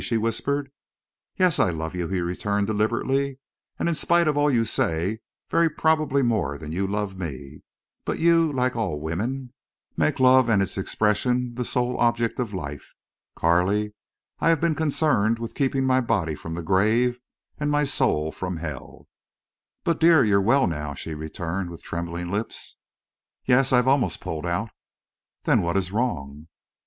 she whispered. "Yes—I love you," he returned, deliberately. "And in spite of all you say—very probably more than you love me.... But you, like all women, make love and its expression the sole object of life. Carley, I have been concerned with keeping my body from the grave and my soul from hell." "But—dear—you're well now?" she returned, with trembling lips. "Yes, I've almost pulled out." "Then what is wrong?"